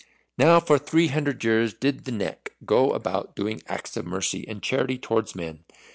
Now for three hundred years did the Neck go about doing acts of mercy and charity towards men.